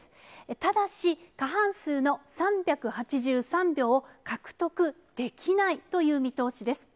ただし、過半数の３８３票を獲得できないという見通しです。